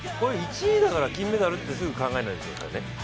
１位だから金メダルってすぐ考えないでくださいね。